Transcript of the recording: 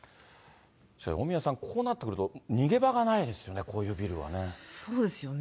大宮さん、こうなってくると、逃げ場がないですよね、こういうそうですよね。